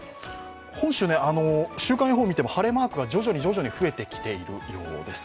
本州、週間予報を見ても晴れマークが徐々に徐々に増えてきているようです。